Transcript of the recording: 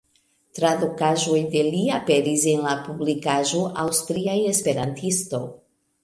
Tradukaĵoj de li aperis en la publikaĵo "Aŭstria Esperantisto".